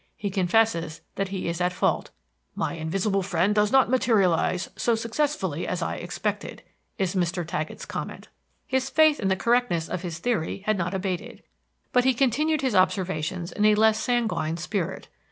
He confesses that he is at fault. "My invisible friend does not materialize so successfully as I expected," is Mr. Taggett's comment. His faith in the correctness of his theory had not abated; but he continued his observation in a less sanguine spirit.